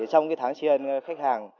trong cái tháng tri ân khách hàng